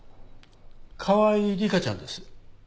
川合理香ちゃんです。